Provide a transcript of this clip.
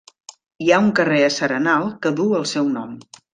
Hi ha un carrer a s'Arenal que du el seu nom.